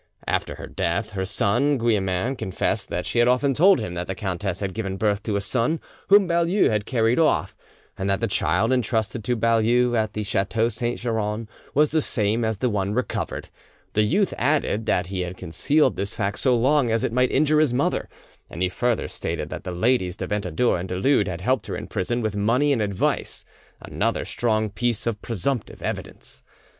After her death, her son Guillemin confessed that she had often told him that the countess had given birth to a son whom Baulieu had carried off, and that the child entrusted to Baulieu at the chateau Saint Geran was the same as the one recovered; the youth added that he had concealed this fact so long as it might injure his mother, and he further stated that the ladies de Ventadour and du Lude had helped her in prison with money and advice—another strong piece of presumptive evidence.